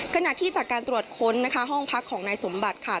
ขณะที่จากการตรวจค้นนะคะห้องพักของนายสมบัติค่ะ